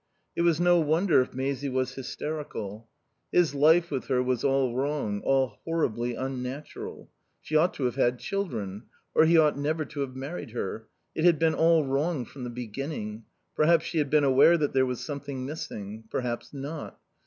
It was no wonder if Maisie was hysterical. His life with her was all wrong, all horribly unnatural. She ought to have had children. Or he ought never to have married her. It had been all wrong from the beginning. Perhaps she had been aware that there was something missing. Perhaps not.